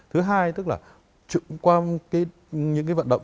thứ hai tức là qua những cái vận động